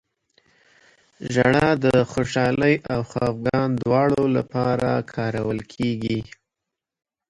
• ژړا د خوشحالۍ او خفګان دواړو لپاره کارول کېږي.